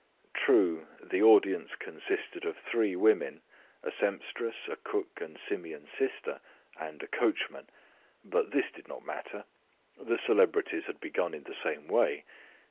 True, the audience consisted of three women a semptress, a cook, and Simeon's sister and a coachman; but this did not matter. The celebrities had begun in the same way.